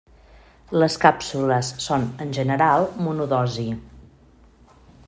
Les càpsules són, en general, monodosi.